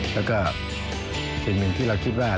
แล้วก็สิ่งหนึ่งที่เราคิดว่า